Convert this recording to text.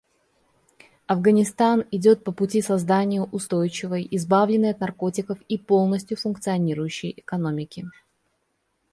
Афганистан идет по пути создания устойчивой, избавленной от наркотиков и полностью функционирующей экономики.